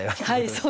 はい。